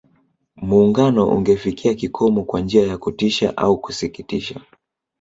Muungano ungefikia kikomo kwa njia ya kutisha na kusikitisha